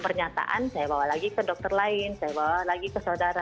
pernyataan saya bawa lagi ke dokter lain saya bawa lagi ke saudara